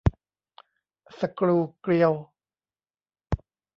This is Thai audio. สกรูเกลียว